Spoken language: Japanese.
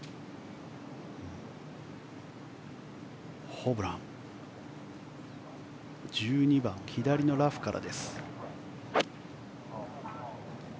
ホブラン１２番、左のラフから。